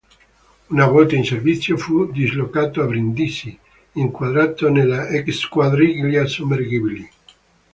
Una volta in servizio fu dislocato a Brindisi, inquadrato nella X Squadriglia Sommergibili.